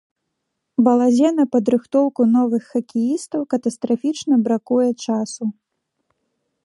Балазе на падрыхтоўку новых хакеістаў катастрафічна бракуе часу.